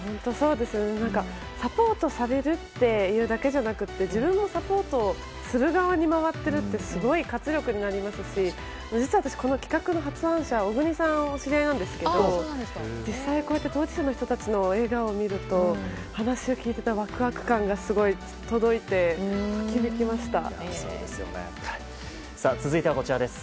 サポートされるっていうだけじゃなくて自分もサポートする側に回っているってすごい活力になりますし実は、私この企画の発案者の小国さんが知り合いなんですけど実際に当事者の人たちの笑顔を見ると話を聞いててワクワク感がすごく届いて響きました。